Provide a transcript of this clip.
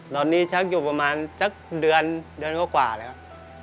ตอนนี้จะอยู่ประมาณสักเดือนก็กว่าแล้วครับ